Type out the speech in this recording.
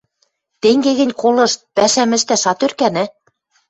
Тенге гӹнь, колышт: пӓшӓм ӹштӓш ат ӧркӓнӹ?